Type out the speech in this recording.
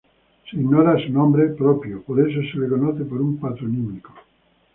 Se ignora su nombre propio, por eso se la conoce por un patronímico.